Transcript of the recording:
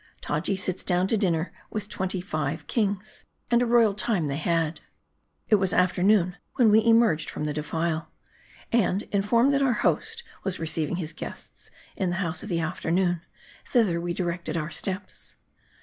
TAJI SITS DOWN TO DINNER WITH FIVE AND TWENTY KINGS, AND A ROYAL TIME THEY HAVE. IT was afternoon when we emerged from the defile. And informed that our host was receiving his guests in the House of the Afternoon, thither we directed our steps.